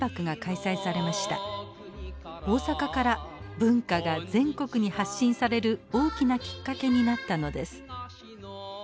大阪から文化が全国に発信される大きなきっかけになったのです。